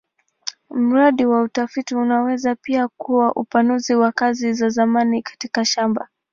Mradi wa utafiti unaweza pia kuwa upanuzi wa kazi ya zamani katika shamba.